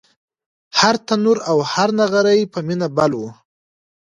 هر تنور او هر نغری په مینه بل و